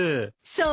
そう？